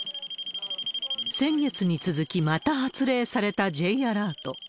先月に続き、また発令されたＪアラート。